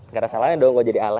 gak ada salahnya dong gue jadi alay